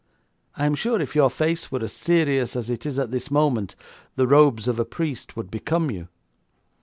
I am sure if your face were as serious as it is at this moment, the robes of a priest would become you.'